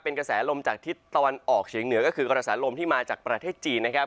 เป็นกระแสลมจากทิศตะวันออกเฉียงเหนือก็คือกระแสลมที่มาจากประเทศจีนนะครับ